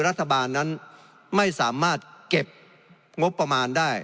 รัฐบาลนั้นไม่สามารถเก็บงบประมาณได้